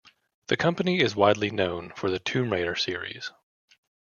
The company is widely known for the "Tomb Raider" series.